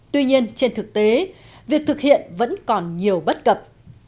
tuy nhiên trên thực tế việc thực hiện vẫn còn nhiều bất cập